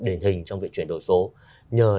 điển hình trong việc chuyển đổi số nhờ